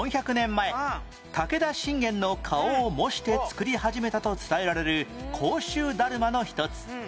前武田信玄の顔を模して作り始めたと伝えられる甲州だるまの一つ